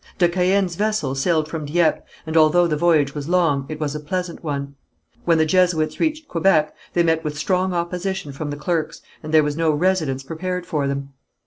De Caën's vessel sailed from Dieppe, and although the voyage was long, it was a pleasant one. When the Jesuits reached Quebec, they met with strong opposition from the clerks, and there was no residence prepared for them.